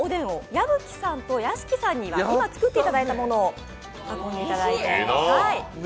矢吹さんと屋敷さんには今作っていただいたものをお召し上がりいただきます。